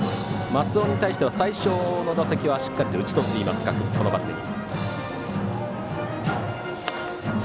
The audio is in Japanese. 松尾に対しては最初の打席はしっかりと打ち取っているこのバッテリー。